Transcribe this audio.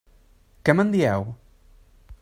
Què me'n dieu?